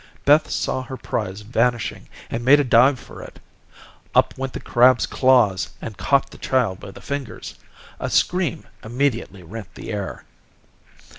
Beth saw her prize vanishing, and made a dive for it. Up went the crab's claws, and caught the child by the fingers. A scream immediately rent the air.